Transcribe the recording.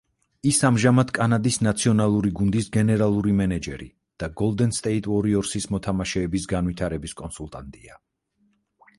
ის ამჟამად კანადის ნაციონალური გუნდის გენერალური მენეჯერი და გოლდენ სტეიტ უორიორსის მოთამაშეების განვითარების კონსულტანტია.